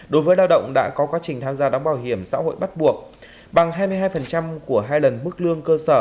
đối với lao động đã có quá trình tham gia đóng bảo hiểm xã hội bắt buộc bằng hai mươi hai của hai lần mức lương cơ sở